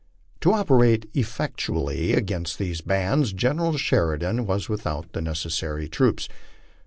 To operate effectually against these bands General Sheridan was without the necessary troops.